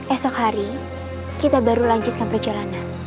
esok hari kita baru lanjutkan perjalanan